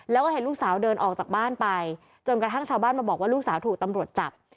แล้วก็เห็นลูกสาวเดินออกจากบ้านไปจนกระทั่งชาวบ้านมาบอกว่าลูกสาวถูกตำรวจจับ